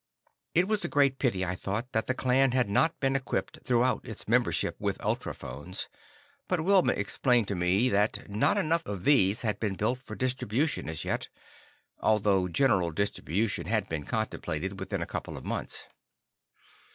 It was a great pity, I thought, that the clan had not been equipped throughout its membership with ultrophones, but Wilma explained to me, that not enough of these had been built for distribution as yet, although general distribution had been contemplated within a couple of months.